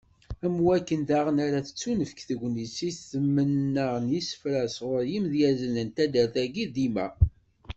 Am wakken daɣen ara tettunefk tegnit i tmenna n yisefra sɣur yimedyazen n taddart-agi dimma.